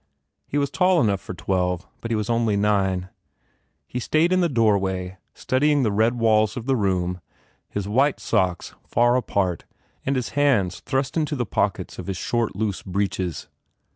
He was tall enough for twelve but he was only nine. He stayed in the doorway, studying the red walls of the room, his white socks far apart and his hands thrust into the pockets of his short, loose breeches.